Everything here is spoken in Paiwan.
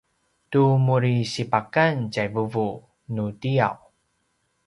tu muri sipakan tjai vuvu nu tiyaw